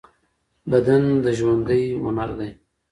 بدن د ژوندۍ هنر دی.